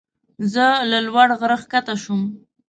زه له لوړ غره ښکته شوم.